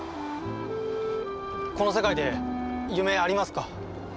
この世界で夢ありますか？